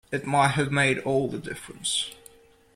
It might have made all the difference.